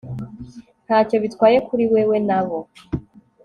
ntacyo bitwaye kuri wewe nabo